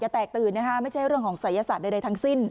แตกตื่นนะคะไม่ใช่เรื่องของศัยศาสตร์ใดทั้งสิ้น